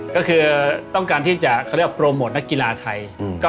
ก็คือต้องการที่จะโปรโมทนักกีฬาไทย